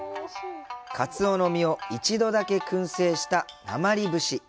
カツオの身を一度だけくん製したなまり節。